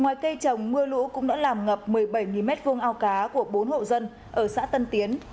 ngoài cây trồng mưa lũ cũng đã làm ngập một mươi bảy m hai ao cá của bốn hộ dân ở xã tân tiến